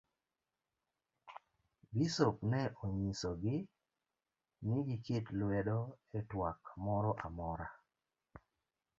bisop ne onyiso gi ni giket lwedo e twak moro amora.